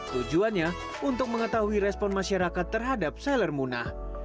tujuannya untuk mengetahui respon masyarakat terhadap seller muna